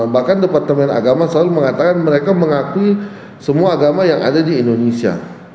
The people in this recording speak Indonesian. bahkan departemen agama selalu mengatakan mereka mengakui semua agama yang ada di indonesia